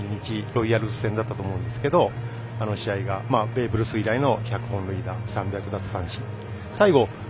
ロイヤルズ戦だったと思うんですけどあの試合がベーブ・ルース以来の３００本塁打３００奪三振。